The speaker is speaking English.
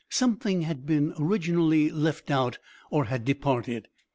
Something had been originally left out, or had departed.